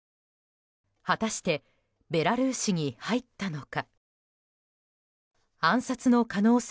果たしてベラルーシに入ったのか。